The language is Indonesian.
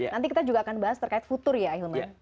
nanti kita juga akan bahas terkait futur ya ahilman